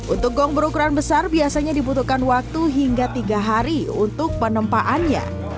untuk gong berukuran besar biasanya dibutuhkan waktu hingga tiga hari untuk penempaannya